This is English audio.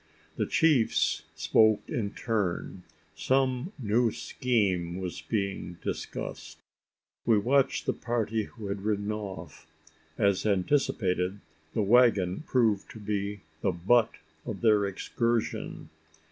The chiefs spoke in turn. Some new scheme was being discussed. We watched the party who had ridden off. As anticipated, the waggon proved to be the butt of their excursion.